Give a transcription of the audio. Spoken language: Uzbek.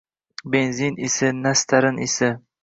Benzin isi, nastarin isi